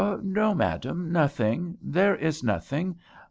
'No, madame, nothing; there is nothing.